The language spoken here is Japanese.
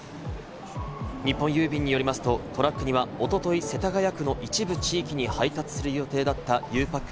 日本郵便によりますと、トラックにはおととい世田谷区の一部地域に配達する予定だった、ゆうパック